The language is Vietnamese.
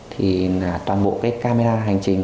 thì toàn bộ cái camera hành trình